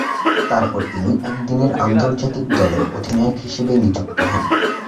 তারপর তিনি একদিনের আন্তর্জাতিক দলের অধিনায়ক হিসেবে নিযুক্ত হন।